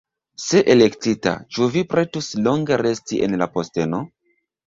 Se elektita, ĉu vi pretus longe resti en la posteno?